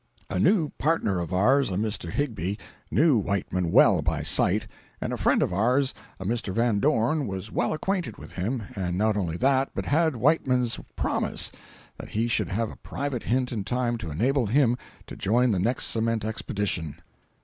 A new partner of ours, a Mr. Higbie, knew Whiteman well by sight, and a friend of ours, a Mr. Van Dorn, was well acquainted with him, and not only that, but had Whiteman's promise that he should have a private hint in time to enable him to join the next cement expedition.